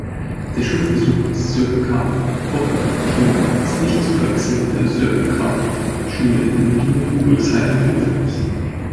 Der Schulversuch „Sir-Karl-Popper-Schule“ ist nicht zu verwechseln mit der "Sir-Karl-Popper-Schule" in Wien Rudolfsheim-Fünfhaus.